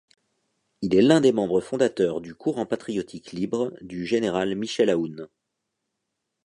Il est l'un des membres fondateurs du Courant patriotique libre du général Michel Aoun.